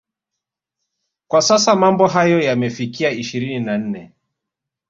Kwa sasa mambo hayo yamefikia ishirini na nne